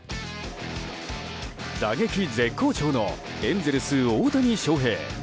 打撃絶好調のエンゼルス、大谷翔平。